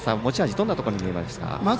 どんなところにありますか？